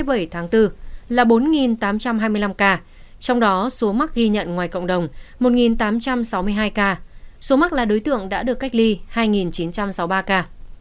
cộng dồn số ca mắc hà nội trong đợt dịch bốn từ ngày hai mươi bảy tháng bốn là bốn tám trăm hai mươi năm ca trong đó số mắc ghi nhận ngoài cộng đồng một tám trăm sáu mươi hai ca số mắc là đối tượng đã được cách ly hai chín trăm sáu mươi ba ca